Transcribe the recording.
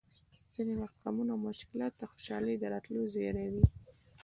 ځینې وخت غمونه او مشکلات د خوشحالۍ د راتلو زېری وي!